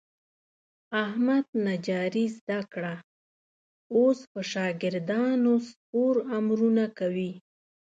احمد نجاري زده کړه. اوس په شاګردانو سپور امرونه کوي.